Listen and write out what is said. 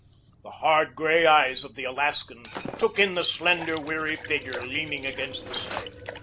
The hard, gray eyes of the Alaskan took in the slender, weary figure leaning against the sled.